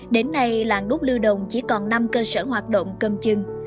đến nay làng nút lưu đồng chỉ còn năm cơ sở hoạt động cầm chừng